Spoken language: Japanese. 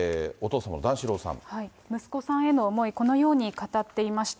息子さんへの思い、このように語っていました。